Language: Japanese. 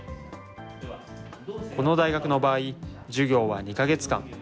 この大学の場合、授業は２か月間。